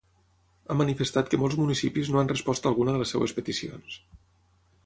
Ha manifestat que molts municipis no han respost alguna de les seves peticions.